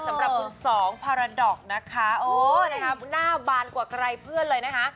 สำหรับคุณสองพาราดอกนะคะโอ้นะคะหน้าบานกว่าใครเพื่อนเลยนะคะ